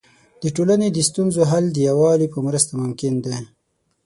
د ټولنې د ستونزو حل د یووالي په مرسته ممکن دی.